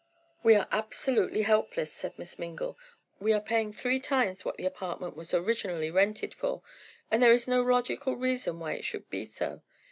"We are absolutely helpless," said Miss Mingle. "We are paying three times what the apartment was originally rented for and there is no logical reason why it should be so.